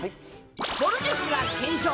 ぼる塾が検証！